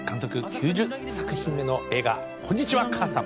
９０作品目の映画『こんにちは、母さん』。